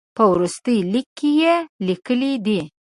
په وروستي لیک کې یې لیکلي دي.